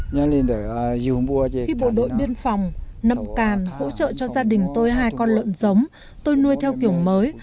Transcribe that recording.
khi bộ đội biên phòng nậm càn hỗ trợ cho gia đình tôi hai con lợn giống tôi nuôi theo kiểu mới